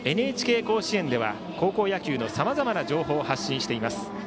「ＮＨＫ甲子園」では高校野球のさまざまな情報を発信しています。